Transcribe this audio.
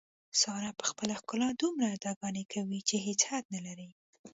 ساره په خپله ښکلا دومره اداګانې کوي، چې هېڅ حد نه لري.